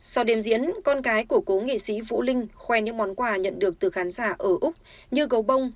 sau đêm diễn con gái của cố nghệ sĩ vũ linh khoe những món quà nhận được từ khán giả ở úc như gấu bông